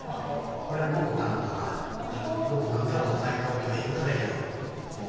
これ木炭とか木炭では最高級品ができる木です。